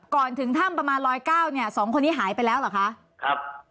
ก่อนถึงถ้ำประมาณร้อยเก้าเนี่ยสองคนนี้หายไปแล้วเหรอคะครับ